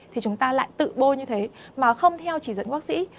thì chúng ta lại tự bôi như thế mà không theo chỉ dẫn bác sĩ